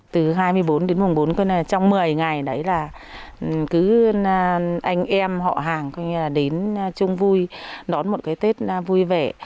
từ hai mươi bốn đến mùng bốn trong một mươi ngày đấy là cứ anh em họ hàng đến chung vui đón một cái tết vui vẻ